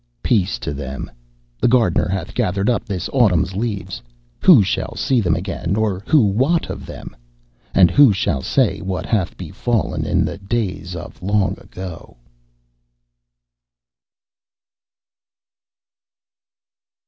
Peace to them. The gardener hath gathered up this autumn's leaves. Who shall see them again, or who wot of them? And who shall say what hath befallen in the days of long ago?